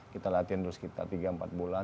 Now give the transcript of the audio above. kita latihan terus kita tiga empat bulan